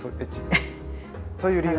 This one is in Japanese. そういう理由？